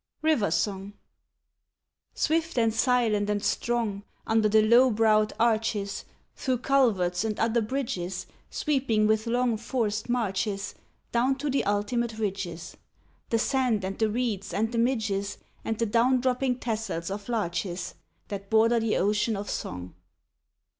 RIVER SONG Swift and silent and strong Under the low browed arches, Through culverts, and under bridges, Sweeping with long forced marches Down to the ultimate ridges, The sand, and the reeds, and the midges, And the down dropping tassels of larches, That border the ocean of song.